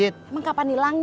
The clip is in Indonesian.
oh nggak ada duit juga